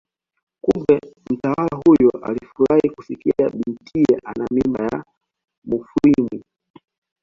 Kumbe mtawala huyo alifurahi kusikia bintiye ana mimba ya Mufwimi